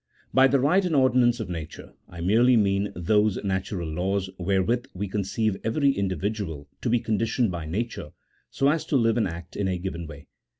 By the right and ordinance of nature, I merely mean those natural laws wherewith we conceive every individual to be conditioned by nature, so as to live and act in a given way.